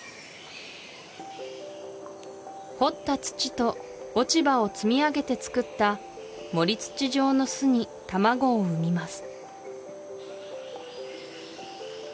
掘った土と落ち葉を積み上げて作った盛り土状の巣に卵を産みます